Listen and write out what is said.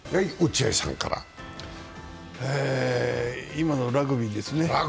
今のラグビーですね。